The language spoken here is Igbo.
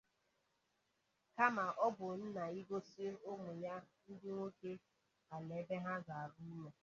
kama ọ bụ nna igosi ụmụ ya ndị nwoke ala ebe ha ga-arụ ụlọ